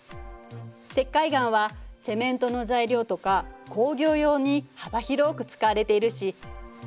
石灰岩はセメントの材料とか工業用に幅広く使われているしこれもそうよ。